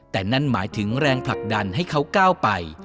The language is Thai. แต่นั่นหมายถึงแรงผลักดันให้เขาก้าวไป